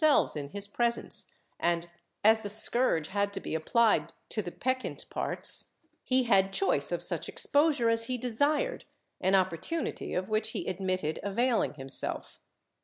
118 SOLICITATION [Book VIII selves in his presence and, as the scourge had to be appHed to the peccant parts, he had choice of such exposure as he desired, an opportunity of which he admitted avaihng himself.